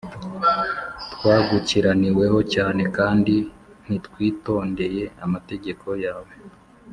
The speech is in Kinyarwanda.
Twagukiraniweho cyane kandi ntitwitondeye amategeko yawe